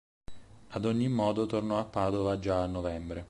Ad ogni modo tornò a Padova già a novembre.